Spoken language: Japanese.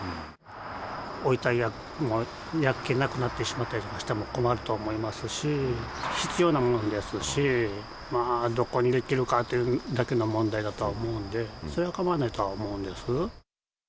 ご遺体が焼けなくなってしまったりしても困ると思いますし、必要なものですし、どこに出来るかというだけの問題だとは思うんで、それは構わないとは思うんです。